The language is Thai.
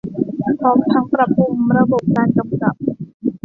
พร้อมทั้งปรับปรุงระบบการกำกับ